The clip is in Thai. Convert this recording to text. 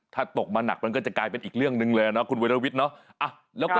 ถ้าตกมาหนักมันก็จะกลายเป็นอีกเรื่องนึงเลยนะครับคุณเวรวิทรแล้วก็อีกเรื่องกันครับ